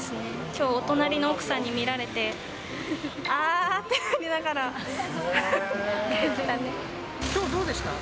きょう、お隣の奥さんに見られて、あーってなりながら来たね。